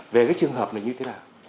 về cái trường hợp này